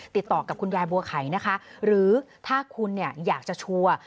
ติดต่อกับคุณยายบัวไข่นะคะหรือถ้าคุณเนี่ยอยากจะชัวร์